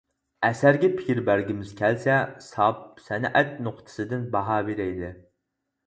ئەسەرگە پىكىر بەرگىمىز كەلسە ساپ سەنئەت نۇقتىسىدىن باھا بېرەيلى.